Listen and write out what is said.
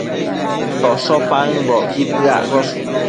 tosho paëmbocquid bëaccosh